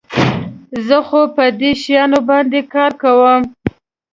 زه خو په دې شیانو باندي کار کوم.